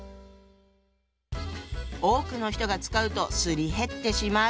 多くの人が使うとすり減ってしまう。